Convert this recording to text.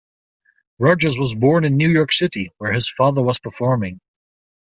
Rogers was born in New York City, where his father was performing.